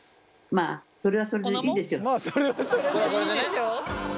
「まあそれはそれでいいでしょう」。